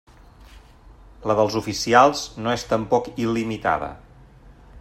La dels oficials no és tampoc il·limitada.